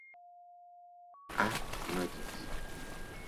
A. Noyes.